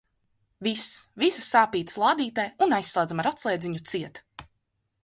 Viss, visas sāpītes lādītē un aizslēdzam ar atslēdziņu ciet.